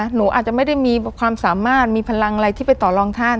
หนูอาจจะไม่ได้มีความสามารถมีพลังอะไรที่ไปต่อรองท่าน